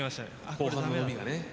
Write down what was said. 後半の伸びがね。